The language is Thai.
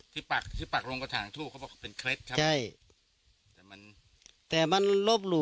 ที่ปักโรงกระถางทู่